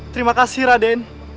terima kasih raden